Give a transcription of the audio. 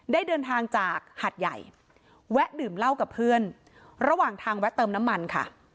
ได้เดินทางจากหาดใหญ่แวะดื่มเหล้ากับเพื่อนระหว่างทางแวะเติมน้ำมันค่ะ